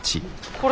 これ？